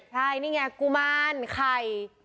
ใช่นี่ไงกุมารไข่